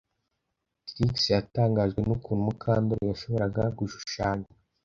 Trix yatangajwe nukuntu Mukandoli yashoboraga gushushanya